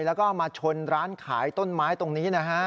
แล้วก็มาชนร้านขายต้นไม้ตรงนี้นะฮะ